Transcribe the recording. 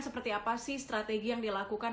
seperti apa sih strategi yang dilakukan